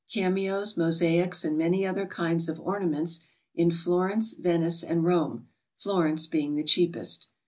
Cameos, mosaics, and many other kinds of ornaments, in Florence, Venice, and Rome, — Florence being the cheapest.